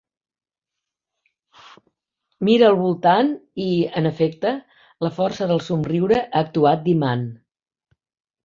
Mira al voltant i, en efecte, la força del somriure ha actuat d'imant.